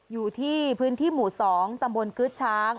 อยู่ที่พื้นที่หมู่๒ตำบลกึ๊ดช้าง